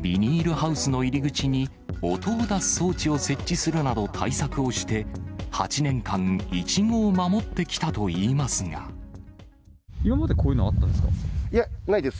ビニールハウスの入り口に音を出す装置を設置するなど、対策をして、８年間、今までこういうのあったんでいや、ないです。